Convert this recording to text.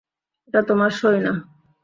এটা তোমার সই না?